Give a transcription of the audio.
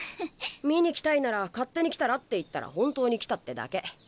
「見に来たいなら勝手に来たら？」って言ったら本当に来たってだけ。